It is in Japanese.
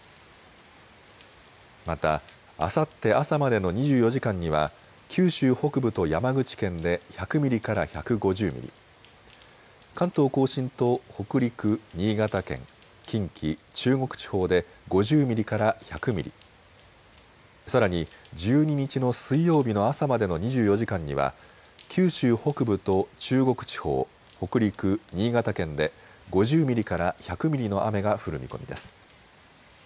また、あさって朝までの２４時間には九州北部と山口県で１００ミリから１５０ミリ、関東甲信と北陸、新潟県、近畿、中国地方で５０ミリから１００ミリ、さらに１２日の水曜日の朝までの２４時間には九州北部と中国地方、北陸、新潟県で５０ミリから１００ミリの雨が降る見込みです。